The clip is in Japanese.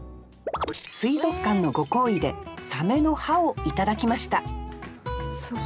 水族館のご厚意でサメの歯をいただきましたすごい。